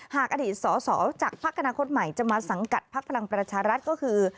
หากอดีตสอสอจากภักดิ์อนาคตใหม่จะมาสังกัดพักพลังประชารัฐก็คือ